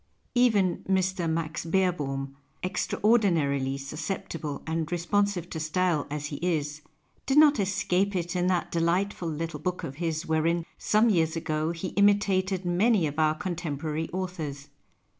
Even Mr. Max Bccrbohm, extraordinarily sus ceptible and responsive to style as he is, did not escape it in that delightful little book of his wherein, some years ago, he imitated many of our contempo rary authors.